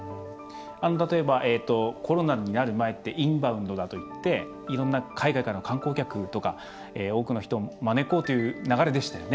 例えば、コロナになる前インバウンドだといって海外からの観光客とか多くの人を招こうという流れでしたよね。